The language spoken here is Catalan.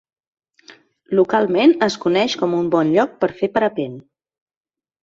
Localment es coneix com un bon lloc per fer parapent.